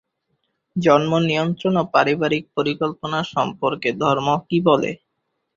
জন্ম নিয়ন্ত্রণ ও পারিবারিক পরিকল্পনা সম্পর্কে ধর্ম কি বলে?